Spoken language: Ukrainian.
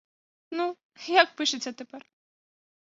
Ну, як пишеться тепер?